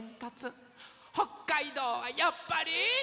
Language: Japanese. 北海道はやっぱり。